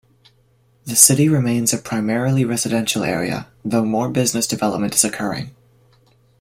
The city remains a primarily residential area, though more business development is occurring.